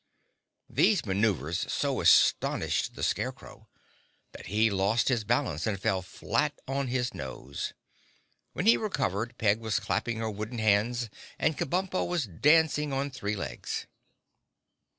These maneuvers so astonished the Scarecrow that he lost his balance and fell flat on his nose. When he recovered Peg was clapping her wooden hands and Kabumpo was dancing on three legs.